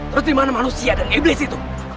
terus dimana manusia dan iblis itu